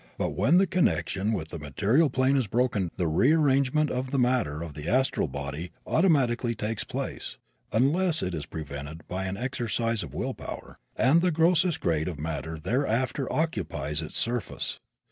But when the connection with the material plane is broken, a rearrangement of the matter of the astral body automatically takes place (unless it is prevented by an exercise of will power) and the grossest grade of matter thereafter occupies its surface.